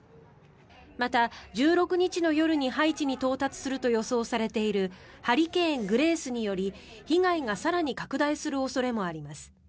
また、１６日の夜に、ハイチに到達すると予想されているハリケーン、グレースにより被害が更に拡大する恐れがあります。